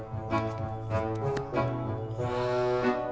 pasang dong ya ya as pitched